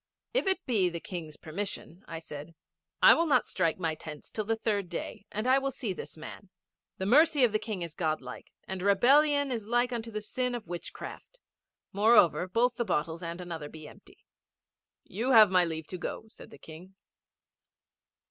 'If it be the King's permission,' I said, 'I will not strike my tents till the third day and I will see this man. The mercy of the King is God like, and rebellion is like unto the sin of witchcraft. Moreover, both the bottles and another be empty.' 'You have my leave to go,' said the King.